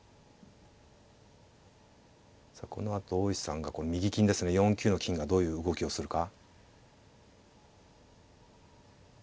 さあこのあと大石さんが右金ですね４九の金がどういう動きをするか。